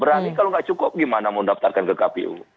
berani kalau nggak cukup gimana mau daftarkan ke kpu